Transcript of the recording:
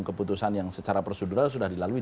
keputusan yang secara prosedural sudah dilalui